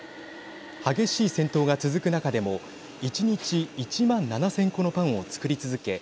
激しい戦闘が続く中でも１日１万７０００個のパンを作り続け